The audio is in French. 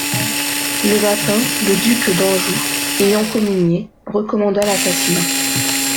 Le matin, le duc d'Anjou, ayant communié, recommanda l'assassinat.